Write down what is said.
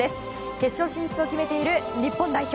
決勝進出を決めている日本代表。